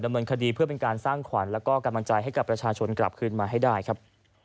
เนินคดีเพื่อเป็นการสร้างขวัญแล้วก็กำลังใจให้กับประชาชนกลับคืนมาให้ได้ครับ